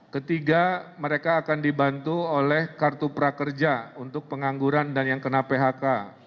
ketiga mereka akan dibantu oleh kartu prakerja untuk pengangguran dan yang kena phk